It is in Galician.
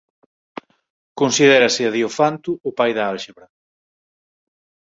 Considérase a Diofanto o pai da álxebra.